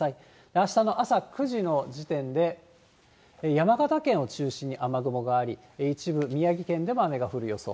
あしたの朝９時の時点で、山形県を中心に雨雲があり、一部宮城県でも雨が降る予想。